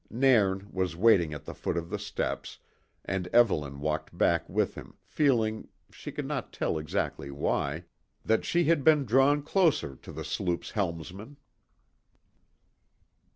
Nairn was waiting at the foot of the steps, and Evelyn walked back with him, feeling, she could not tell exactly why, that she had been drawn closer to the sloop's helmsman.